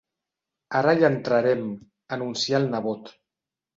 Ara hi entrarem, anuncia el nebot.